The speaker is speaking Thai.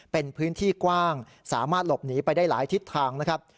เป็นพื้นที่กว้างสามารถหลบหนีไปได้หลายทิศทางนะครับ